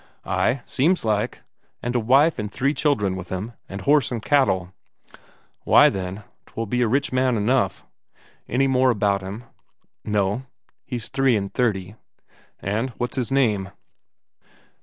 "Ay, seems like. And a wife and three children with him; and horse and cattle." "Why, then, 'twill be a rich man enough. Any more about him?" "No. He's three and thirty." "And what's his name?"